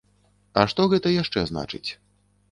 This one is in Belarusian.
А што гэта яшчэ значыць?